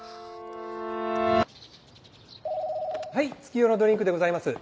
はい月夜野ドリンクでございます。